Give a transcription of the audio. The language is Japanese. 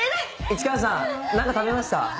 市川さん何か食べました？